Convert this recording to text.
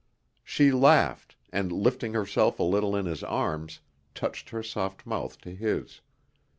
She laughed, and, lifting herself a little in his arms, touched her soft mouth to his.